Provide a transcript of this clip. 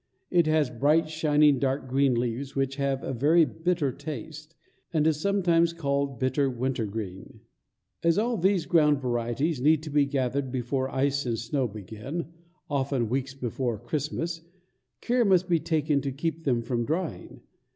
It has bright shining dark green leaves, which have a very bitter taste, and is sometimes called bitter wintergreen. [Illustration: BRINGING HOME CHRISTMAS GREEN. DRAWN BY J. O. DAVIDSON.] As all these ground varieties need to be gathered before ice and snow begin, often weeks before Christmas, care must be taken to keep them from drying.